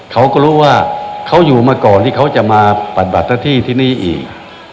เขาก็รู้ว่าเขาอยู่มาก่อนที่เขาจะมาปัดบัตรที่สมบัติกันทีนี้อีก